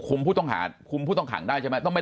คุมผู้ต้องหาคุมผู้ต้องหังได้ใช่มั้ยต้องไม่